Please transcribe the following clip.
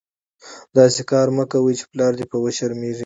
داسي کار مه کوئ، چي پلار دي په وشرمېږي.